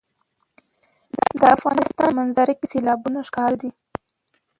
د افغانستان په منظره کې سیلابونه ښکاره ده.